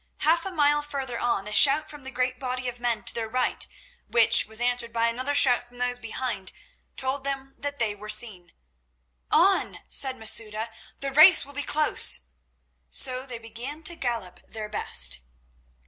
Half a mile further on a shout from the great body of men to their right, which was answered by another shout from those behind, told them that they were seen. "On!" said Masouda. "The race will be close." So they began to gallop their best.